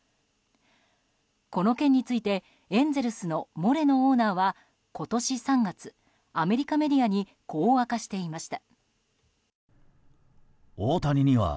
この件についてエンゼルスのモレノオーナーは今年３月、アメリカメディアにこう明かしていました。